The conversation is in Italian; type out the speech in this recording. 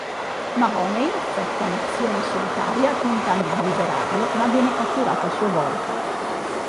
Mahoney effettua un'azione solitaria tentando di liberarlo, ma viene catturato a sua volta.